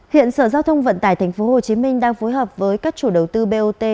hiện sở giao thông vận tải tp hcm đang phối hợp với các chủ đầu tư bot